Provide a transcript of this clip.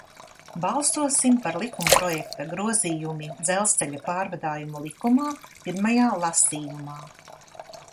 "Balsosim par likumprojekta "Grozījumi Dzelzceļa pārvadājumu likumā" pirmajā lasījumā!"